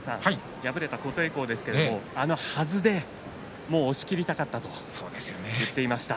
敗れた琴恵光ですがあのはずで押しきりたかったと言っていました。